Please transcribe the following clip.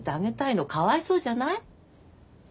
かわいそうじゃない？